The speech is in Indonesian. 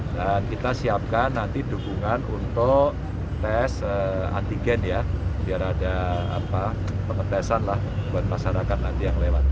dan kita siapkan nanti dukungan untuk tes antigen ya biar ada pengetesan lah buat masyarakat nanti